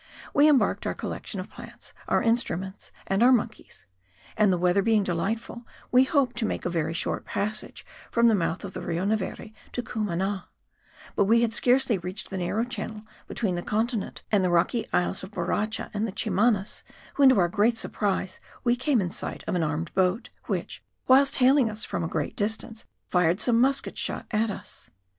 We embarked our collection of plants, our instruments and our monkeys; and, the weather being delightful, we hoped to make a very short passage from the mouth of the Rio Neveri to Cumana: but we had scarcely reached the narrow channel between the continent and the rocky isles of Borracha and the Chimanas, when to our great surprise we came in sight of an armed boat, which, whilst hailing us from a great distance, fired some musket shot at us.